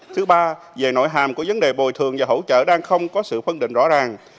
thứ ba về nội hàm của vấn đề bồi thường và hỗ trợ đang không có sự phân định rõ ràng